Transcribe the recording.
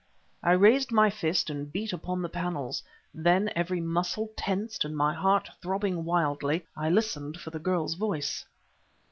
I raised my fist and beat upon the panels; then, every muscle tensed and my heart throbbing wildly, I listened for the girl's voice.